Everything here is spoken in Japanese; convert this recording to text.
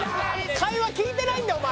会話聞いてないんだお前！